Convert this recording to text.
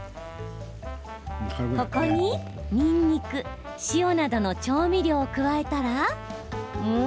ここに、にんにく塩などの調味料を加えたらうーん！